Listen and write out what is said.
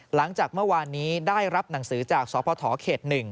หลังจากเมื่อวานนี้ได้รับหนังสือจากสพเขต๑